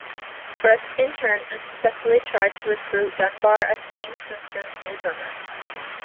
Fripp, in turn, unsuccessfully tried to recruit Dunbar as King Crimson's new drummer.